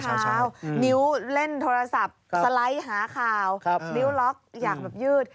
เพื่อยคอดเท้านิ้วเล่นโทรศัพท์สไลด์หาข่าวนิ้วล็อกอย่างยืด